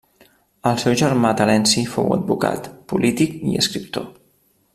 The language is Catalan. El seu germà Terenci fou advocat, polític i escriptor.